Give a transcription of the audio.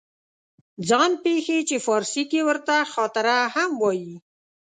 ځان پېښې چې فارسي کې ورته خاطره هم وایي